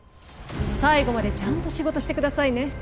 最後までちゃんと仕事してくださいね